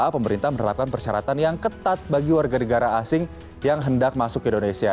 pemerintah menerapkan persyaratan yang ketat bagi warga negara asing yang hendak masuk ke indonesia